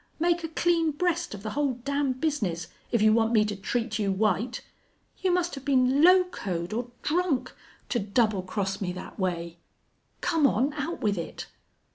Make a clean breast of the whole damn bizness, if you want me to treat you white. You must have been locoed or drunk, to double cross me thet way. Come on, out with it."